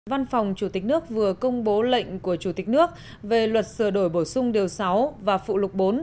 văn phòng chủ tịch nước vừa công bố lệnh của chủ tịch nước về luật sửa đổi bổ sung điều sáu và phụ lục bốn